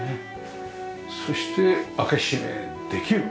そして開け閉めできる。